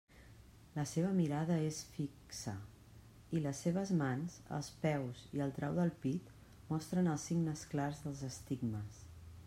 La seva mirada és fi xa, i les seves mans, els peus i el trau del pit mostren els signes clars dels estigmes.